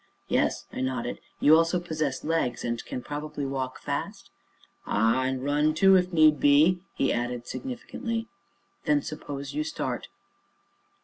"Yes," I nodded; "you also possess legs, and can probably walk fast?" "Ah! and run, too, if need be," he added significantly. "Then suppose you start."